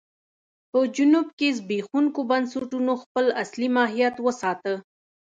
په جنوب کې زبېښونکو بنسټونو خپل اصلي ماهیت وساته.